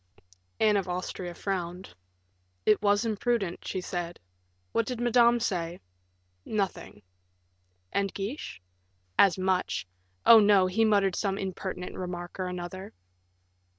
Anne of Austria frowned. "It was imprudent," she said. "What did Madame say?" "Nothing." "And Guiche?" "As much oh, no! he muttered some impertinent remark or another."